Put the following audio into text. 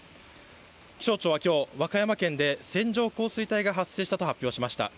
気象庁はきょう、和歌山県で線状降水帯が発生したと発表しました。